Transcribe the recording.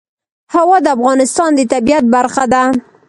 هوا د افغانستان د طبیعت برخه ده.